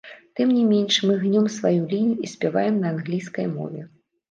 Тым не менш, мы гнем сваю лінію і спяваем на англійскай мове.